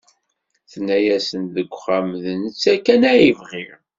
Tenna-yasen deg uxxam d netta kan ay bɣiɣ.